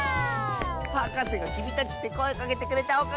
はかせが「きみたち」ってこえかけてくれたおかげだよ。